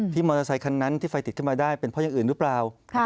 มอเตอร์ไซคันนั้นที่ไฟติดขึ้นมาได้เป็นเพราะอย่างอื่นหรือเปล่า